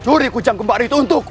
curi kujang kempar itu untukku